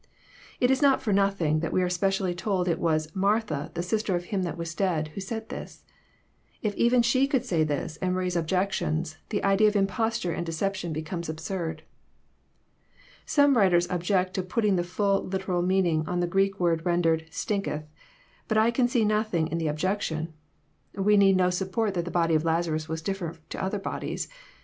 It is not for nothing that we are specially told it was " Mar tha, the sister of him that was dead," who said this. If even she could say this, and raise objections, the idea of Imposture and deception becomes absurd. Some writers object to putting the fhll literal meaning on the Greek word rendered <* stinketh; " but I can see nothing in the objection. We need not suppose that the body of Lazarus was different toother bodies.